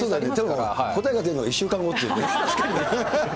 答えが出るのが１週間後っていうね。